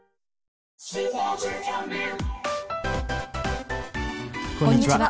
こんにちは。